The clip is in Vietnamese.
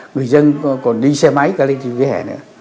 người dân còn đi xe máy cả lên trên vỉa hè nữa